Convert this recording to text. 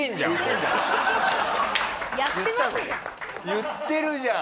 言ってるじゃん。